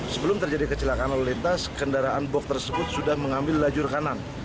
sebelum terjadi kecelakaan lalu lintas kendaraan box tersebut sudah mengambil lajur kanan